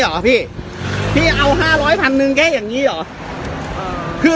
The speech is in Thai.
หรอพี่พี่เอาห้าร้อยพันหนึ่งแค่อย่างงี้หรออ่าคือ